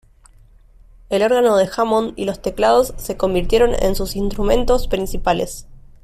El órgano de Hammond y los teclados se convirtieron en sus instrumentos principales.